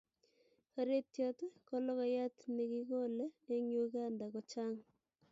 paretiot ko logoyat ni kikole eng Uganda ko chang